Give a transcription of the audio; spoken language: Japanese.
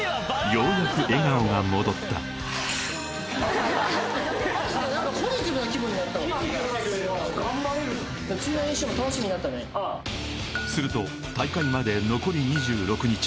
ようやく頑張れるすると大会まで残り２６日